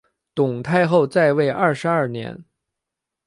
董太后在位二十二年。